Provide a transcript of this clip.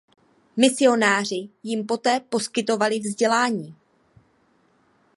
Misionáři jim poté poskytovali vzdělání.